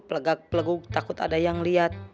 peleguk peleguk takut ada yang liat